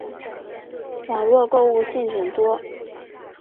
网路购物陷阱多